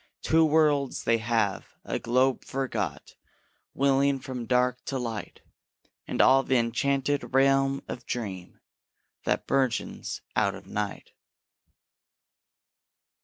Two worlds they have a globe forgot Wheeling from dark to light; And all the enchanted realm of dream That burgeons out of night.